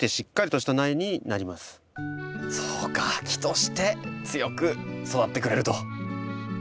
そうか木として強く育ってくれると。